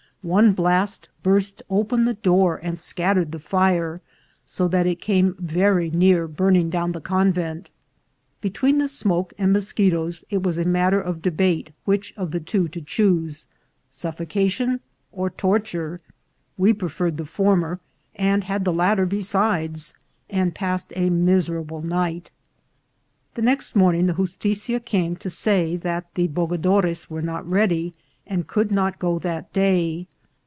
One blast burst open the door and scattered the fire, so that it came very near burn ing down the convent. Between the smoke and mos chetoes, it was a matter of debate which of the two to choose, suffocation or torture. We preferred the former, and had the latter besides, and passed a miser able night. The next morning the justitia came to say that the bogadores were not ready and could not go that day.